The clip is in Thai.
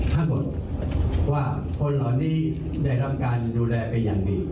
ทั้งหมดว่าคนเหล่านี้ได้รับการดูแลเป็นอย่างดี